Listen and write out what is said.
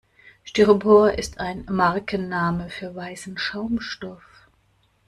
Styropor ist ein Markenname für weißen Schaumstoff.